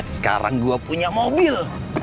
sekarang gua punya mobil